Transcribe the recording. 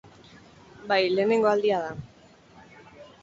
Bai, lehenengo aldia da.